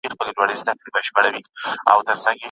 مُلا دي لولي زه سلګۍ درته وهمه